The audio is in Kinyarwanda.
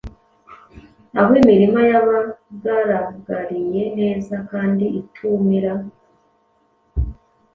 Aho imirima yabagaragariye neza kandi itumira